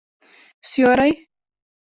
سیوری